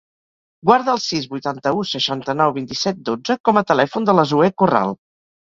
Guarda el sis, vuitanta-u, seixanta-nou, vint-i-set, dotze com a telèfon de la Zoè Corral.